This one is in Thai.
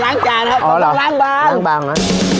ล้างจานครับล้างบางอ๋อเหรอล้างบางนะ